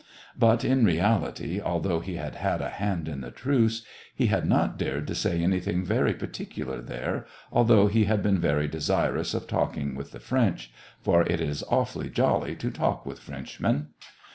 But, in reality, although he had had a hand in the truce, he had not dared to say anything very particular there, although he had been very desirous of talking with the French (for it is awfully jolly to talk with Frenchmen).